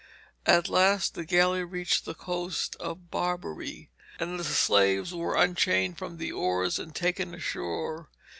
But at last the galley reached the coast of Barbary, and the slaves were unchained from the oars and taken ashore.